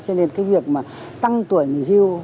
cho nên cái việc mà tăng tuổi nghỉ hưu